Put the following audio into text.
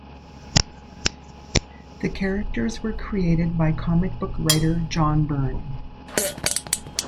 The characters were created by comic book writer John Byrne.